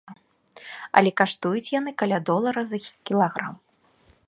Але каштуюць яны каля долара за кілаграм.